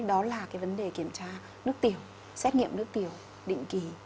đó là cái vấn đề kiểm tra nước tiểu xét nghiệm nước tiểu định kỳ